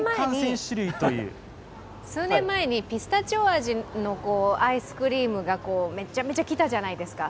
数年前にピスタチオ味のアイスクリームがめっちゃめちゃ来たじゃないですか。